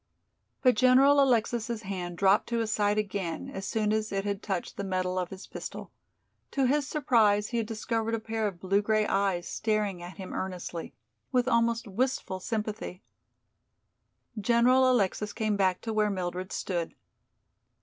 But General Alexis' hand dropped to his side again, as soon as it had touched the metal of his pistol. To his surprise he had discovered a pair of blue gray eyes staring at him earnestly, with almost wistful sympathy. General Alexis came back to where Mildred stood.